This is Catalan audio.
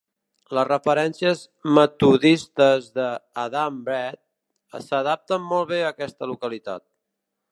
Les referències metodistes de "Adam Bede" s'adapten molt bé a aquesta localitat.